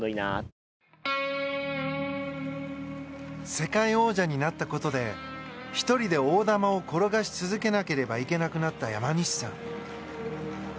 世界王者になったことで１人で大玉を転がし続けなければいけなくなった山西さん。